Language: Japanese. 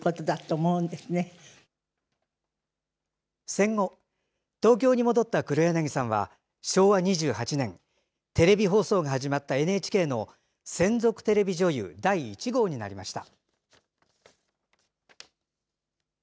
戦後、東京に戻った黒柳さんは昭和２８年、テレビ放送が始まったＮＨＫの専属テレビ女優第１号になりました。